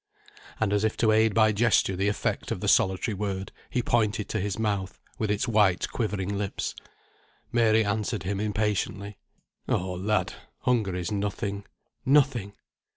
And, as if to aid by gesture the effect of the solitary word, he pointed to his mouth, with its white quivering lips. Mary answered him impatiently, "Oh, lad, hunger is nothing nothing!"